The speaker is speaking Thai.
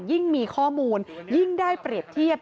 ยิ่งมีข้อมูลยิ่งได้เปรียบเทียบ